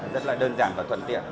rất là đơn giản và thuận tiện